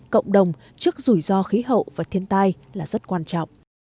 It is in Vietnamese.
cộng đồng trước rủi ro khí hậu và thiên tai là rất quan trọng